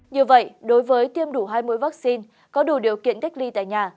như vậy đối với tiêm đủ hai mươi vaccine có đủ điều kiện cách ly tại nhà